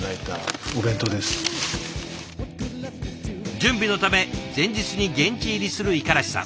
準備のため前日に現地入りする五十嵐さん。